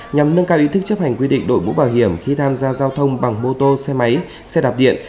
nhằm nâng cao ý thức chấp hành quy định đội mũ bảo hiểm khi tham gia giao thông bằng mô tô xe máy xe đạp điện